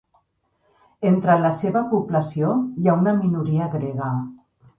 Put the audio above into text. Entre la seva població hi ha una minoria grega.